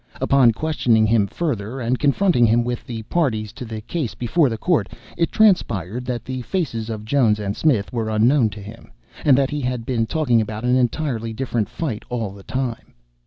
Upon questioning him further, and confronting him with the parties to the case before the court, it transpired that the faces of Jones and Smith were unknown to him, and that he had been talking about an entirely different fight all the time.)